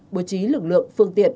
bố trí lực lượng phương tiện